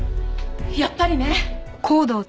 やっぱりね！